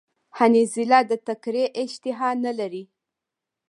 حنظله د تکری اشتها نلری